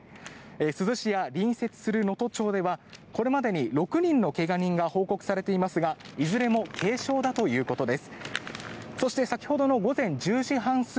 珠洲市や隣接する能登町ではこれまでに６人の怪我人が報告されていますがいずれも軽傷だということです。